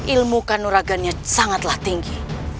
ilmu kanuragannya sangatlah tinggi